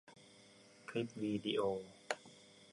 คลิปวีดิโอ